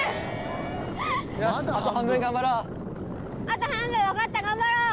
あと半分分かった頑張ろう！